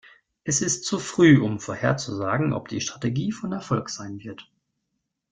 Es ist zu früh, um vorherzusagen, ob die Strategie von Erfolg sein wird.